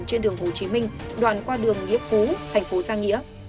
trên đường hồ chí minh đoàn qua đường nghĩa phú thành phố sa nghĩa